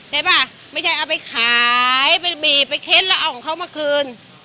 ใช่ป่ะไม่ใช่เอาไปขายไปบีบไปเค้นแล้วเอาของเขามาคืน